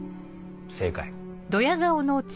正解。